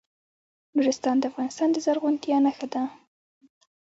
نورستان د افغانستان د زرغونتیا نښه ده.